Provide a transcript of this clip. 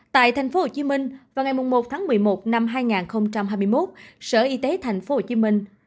tại thành phố hồ chí minh vào ngày một tháng một mươi một năm hai nghìn hai mươi một sở y tế thành phố hồ chí minh